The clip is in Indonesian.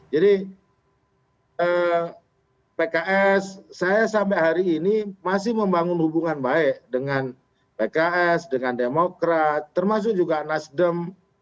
jadi pks saya sampai hari ini masih membangun hubungan baik dengan pks dengan demokrat termasuk juga nasdem